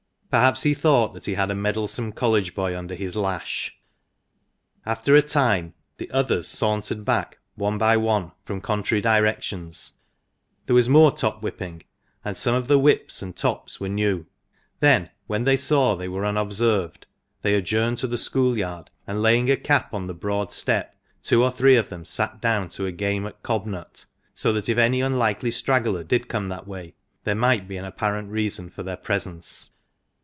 Perhaps he thought he had a meddlesome College boy under his lash. After a time, the others sauntered back one by one, from contrary directions ; there was more top whipping, and some ot the whips and tops were new, Then when they saw they were unobserved, they adjourned to the school yard, and laying a cap on the broad step, two or three of them sat down to a game at cob nut, so that if any unlikely straggler did come that way there might be an apparent reason for their presence.